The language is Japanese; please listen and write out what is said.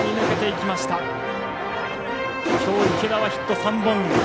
きょう、池田はヒット３本。